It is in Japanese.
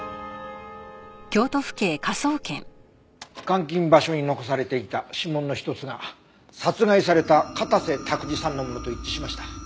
監禁場所に残されていた指紋の一つが殺害された片瀬卓治さんのものと一致しました。